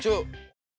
sampai jumpa lagi